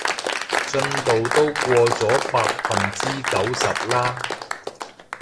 進度都過咗百分之九十啦